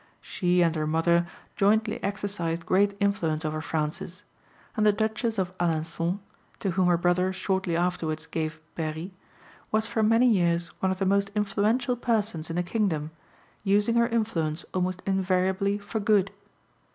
She and her mother jointly exercised great influence over Francis; and the Duchess of Alençon, to whom her brother shortly afterwards gave Berry, was for many years one of the most influential persons in the kingdom, using her influence almost invariably for good.